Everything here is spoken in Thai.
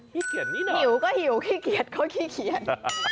ขี้เกียจนิดหน่อยหิวก็หิวขี้เกียจก็ขี้เกียจ